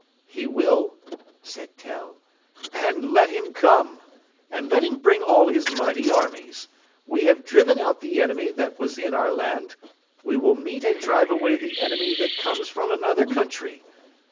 "He will," said Tell. "And let him come. And let him bring all his mighty armies. We have driven out the enemy that was in our land. We will meet and drive away the enemy that comes from another country.